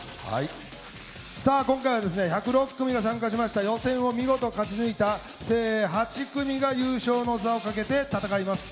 さあ今回はですね１０６組が参加しました予選を見事勝ち抜いた精鋭８組が優勝の座を懸けて戦います。